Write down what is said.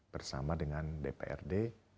bersama dengan dprd